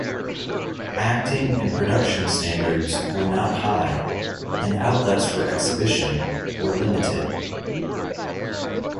Acting and production standards were not high and outlets for exhibition were limited.